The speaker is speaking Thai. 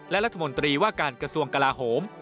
และรัฐมนตรีว่าการกระทรวงกลาโหม